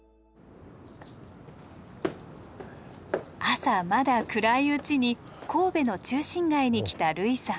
朝まだ暗いうちに神戸の中心街に来た類さん。